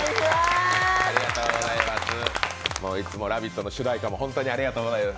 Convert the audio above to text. いつも「ラヴィット！」の主題歌も本当にありがとうございます。